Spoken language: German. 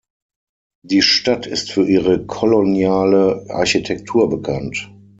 Die Stadt ist für ihre koloniale Architektur bekannt.